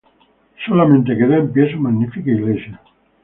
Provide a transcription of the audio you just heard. Solamente quedó en pie su magnífica iglesia.